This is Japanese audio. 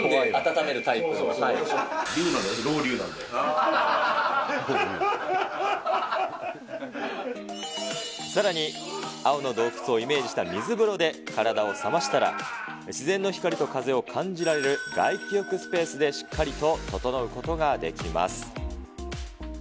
リュウなんで、ロウ・リュウさらに、青の洞窟をイメージした水風呂で体を冷ましたら、自然の光と風を感じられる外気浴スペースでしっかりと整うことができます。